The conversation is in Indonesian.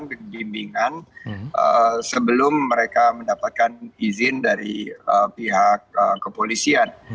pembimbingan sebelum mereka mendapatkan izin dari pihak kepolisian